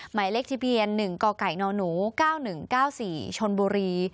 หมายเลขทะเบียนหนึ่งก่อก่ายนอนูเก้าหนึ่งเก้าสี่ชนบุรี